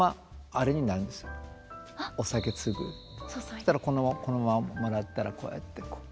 そしたらこのままもらったらこうやってこう。